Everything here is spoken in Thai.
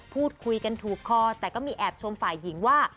พูดคุยกันถูกคอแต่ก็มีแอบชมฝ่ายหญิงว่า